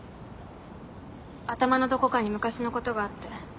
頭のどこかに昔のことがあって。